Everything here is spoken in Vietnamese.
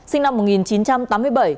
sinh năm một nghìn chín trăm tám mươi bảy